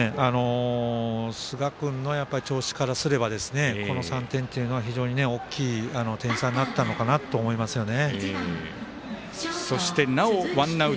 寿賀君の調子からすればこの３点というのは非常に大きい点差になったのかなと思いますね。